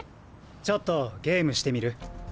⁉ちょっとゲームしてみる？